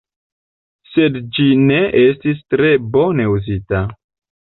Sed ĝi ne estis tre bone uzita.